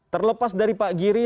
terlepas dari pak giri